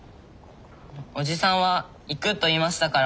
おじさんは行くと言いましたから。